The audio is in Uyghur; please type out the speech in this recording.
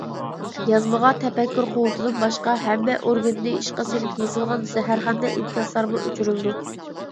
يازمىغا تەپەككۇر قۇۋۋىتىدىن باشقا ھەممە ئورگىنىنى ئىشقا سېلىپ يېزىلغان زەھەرخەندە ئىنكاسلارمۇ ئۆچۈرۈلىدۇ.